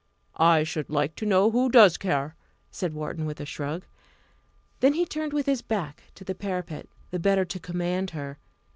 "I should like to know who does care!" said Wharton, with a shrug. Then he turned with his back to the parapet, the better to command her.